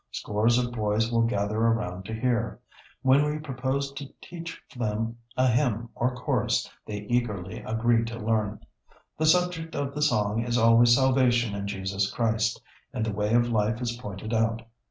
Scores of boys will gather around to hear. When we propose to teach them a hymn or chorus they eagerly agree to learn. The subject of the song is always salvation in Jesus Christ, and the way of life is pointed out.